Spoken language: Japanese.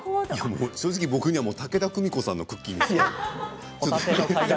正直、僕には武田久美子さんのクッキーにした。